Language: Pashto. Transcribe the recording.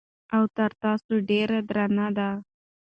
او تر تاسو ډېره درنه ده